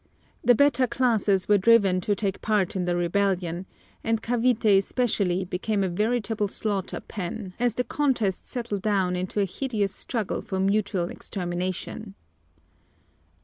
The better classes were driven to take part in the rebellion, and Cavite especially became a veritable slaughter pen, as the contest settled down into a hideous struggle for mutual extermination.